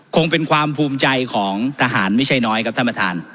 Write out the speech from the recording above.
คงเป็นความภูมิใจของทหารไม่ใช่น้อยครับท่านประธาน